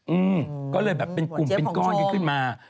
อืมก็เลยแบบเป็นกลุ่มเป็นก้อนกันขึ้นมา